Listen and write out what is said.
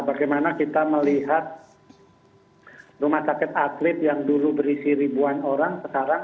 bagaimana kita melihat rumah sakit atlet yang dulu berisi ribuan orang sekarang